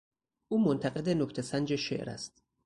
او منتقد نکته سنج شعر است.